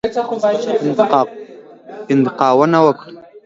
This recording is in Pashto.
انتقاونه وکړل.